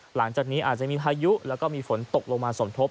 หลังจากนี้อาจจะมีพายุแล้วก็มีฝนตกลงมาสมทบ